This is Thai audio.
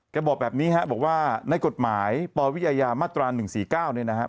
แกบอกแบบนี้ฮะบอกว่าในกฎหมายปรวิยามาตรวรรณ๑๔๙เนี่ยนะฮะ